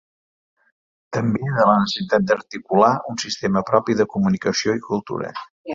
També de la necessitat d’articular un sistema propi de comunicació i cultura.